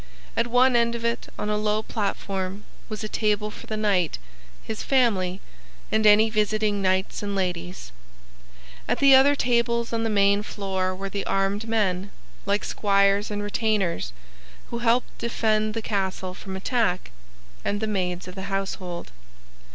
At one end of it, on a low platform, was a table for the knight, his family, and any visiting knights and ladies. At the other tables on the main floor were the armed men, like squires and retainers, who helped defend the castle from attack, and the maids of the household.